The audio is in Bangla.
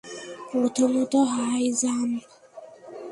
প্রথমত, হাই জাম্প।